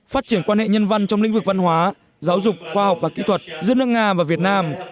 phát triển quan hệ nhân văn trong lĩnh vực văn hóa giáo dục khoa học và kỹ thuật giữa nước nga và việt nam